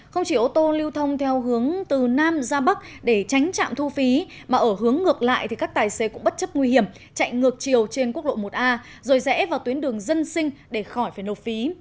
không chỉ ô tô lưu thông theo hướng từ nam ra bắc để tránh trạm thu phí mà ở hướng ngược lại thì các tài xế cũng bất chấp nguy hiểm chạy ngược chiều trên quốc lộ một a rồi rẽ vào tuyến đường dân sinh để khỏi phải nộp phí